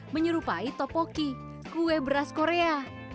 menyerupai topoki kue beras korea